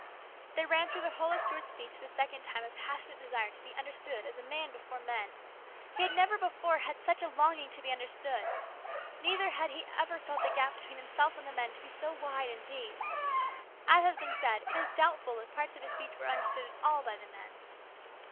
There ran through the whole of Stuart's speech this second time a passionate desire to be understood as a man before men. He had never before had such a longing to be understood. Neither had he ever felt the gap between himself and the men to be so wide and deep. As has been said, it is doubtful if parts of his speech were understood at all by the men.